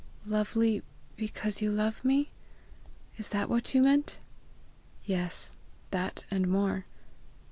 "Lovely because you love me? Is that what you meant?" "Yes, that and more.